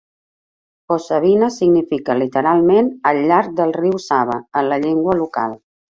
Posavina significa literalment "al llarg del riu Sava" en la llengua local.